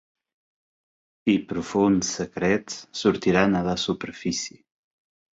I profunds secrets sortiran a la superfície.